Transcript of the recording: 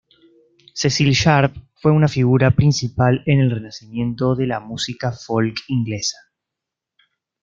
Cecil Sharp fue una figura principal en el renacimiento de la música folk inglesa.